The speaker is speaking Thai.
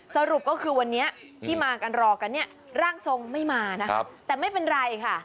สรุปก็คือวันนี้ที่มากันรอกันเนี่ยร่างทรงไม่มานะครับแต่ไม่เป็นไรค่ะ